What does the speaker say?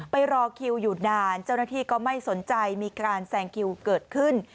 รอคิวอยู่นานเจ้าหน้าที่ก็ไม่สนใจมีการแซงคิวเกิดขึ้น